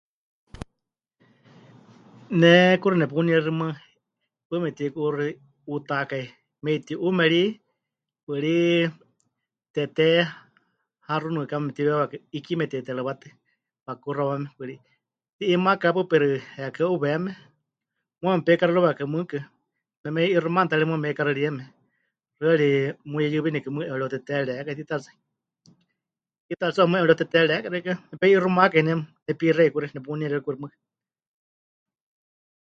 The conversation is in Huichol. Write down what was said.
Ne kuxi nepunieríxɨ mɨɨkɨ, paɨ mepɨteiku'uuxi... 'uutakai, me'iti'uume ri, paɨrí, teté haxu nɨkame mepɨtiweewiwakai 'iiki mete'iterɨwátɨ, wakuxawame, paɨrí, mɨti'iimaka hepaɨ pero heekɨ́a 'uweeme, muuwa mepeikaxɨrɨwakai mɨɨkɨ, memei'ixumani ta ri muuwa meheikaxɨrieme, xɨari muyeyɨɨwinikɨ mɨɨkɨ 'epɨreuteteerekai, tiitayari tsɨ, tiitayari tsɨ 'aɨmɨ́ 'emɨreuteteerekai xeikɨ́a mepei'iixumawakai ne nepixei kuxi, nepunieríxɨ kuxi mɨɨkɨ.